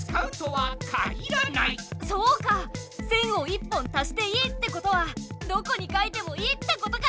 線を１本足していいってことはどこに書いてもいいってことか！